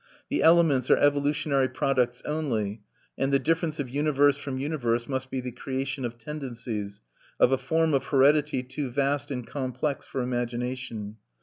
The elements are evolutionary products only; and the difference of universe from universe must be the creation of tendencies, of a form of heredity too vast and complex for imagination.